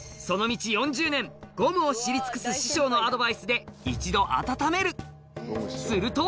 その道４０年、ゴムを知り尽くす師匠のアドバイスで、一度温める。